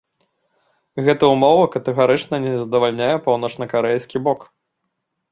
Гэта ўмова катэгарычна не задавальняе паўночнакарэйскі бок.